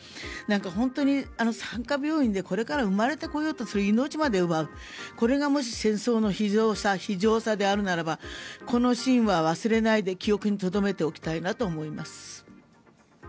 本当に産科病院でこれから生まれてこようとする命まで奪うこれがもし戦争の非情さであるならばこのシーンは忘れないで記憶にとどめておきたいなと思います。